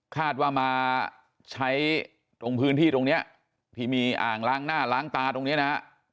คาดว่ามาใช้ตรงพื้นที่ตรงนี้ที่มีอ่างล้างหน้าล้างตาตรงนี้นะฮะ